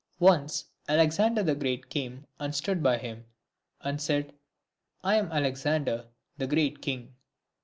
Once Alexander the Great came and stood by him, and said, " I am Alexander, the great king."